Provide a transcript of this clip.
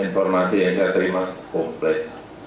informasi yang saya terima komplek